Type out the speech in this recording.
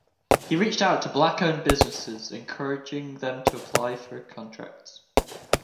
He reached out to black-owned businesses, encouraging them to apply for contracts.